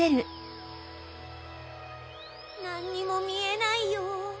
なんにもみえないよ。